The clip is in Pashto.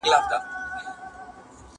کورني کارونه د کورنۍ د پلار د مسؤلیت برخه ده.